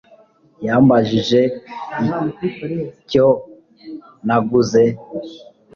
Yambajije icyo naguze